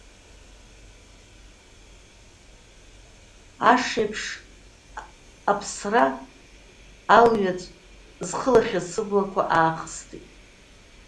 Аш еиԥш аԥсра алҩаҵә зхылахьаз сыблақәа аахыстит.